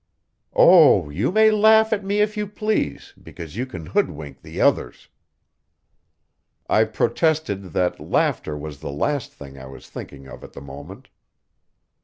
"Oh, you may laugh at me if you please, because you can hoodwink the others." I protested that laughter was the last thing I was thinking of at the moment.